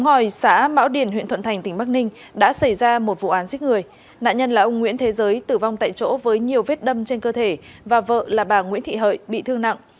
ngòi xã mão điền huyện thuận thành tỉnh bắc ninh đã xảy ra một vụ án giết người nạn nhân là ông nguyễn thế giới tử vong tại chỗ với nhiều vết đâm trên cơ thể và vợ là bà nguyễn thị hợi bị thương nặng